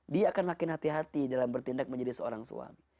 dia akan makin hati hati dalam bertindak menjadi seorang suami